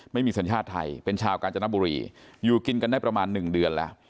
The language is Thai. สัญชาติไทยเป็นชาวกาญจนบุรีอยู่กินกันได้ประมาณ๑เดือนแล้ว